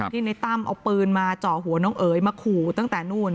ในตั้มเอาปืนมาเจาะหัวน้องเอ๋ยมาขู่ตั้งแต่นู่น